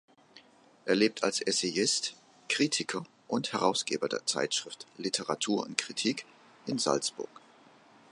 Er lebt als Essayist, Kritiker und Herausgeber der Zeitschrift "Literatur und Kritik" in Salzburg.